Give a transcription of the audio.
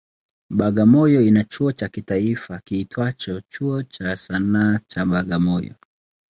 Bagamoyo ina chuo cha kitaifa kiitwacho Chuo cha Sanaa cha Bagamoyo.